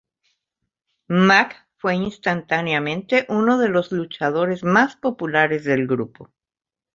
Mack fue instantáneamente uno de los luchadores más populares del grupo.